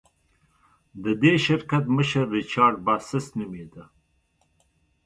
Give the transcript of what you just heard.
د دې شرکت مشر ریچارډ باسس نومېده.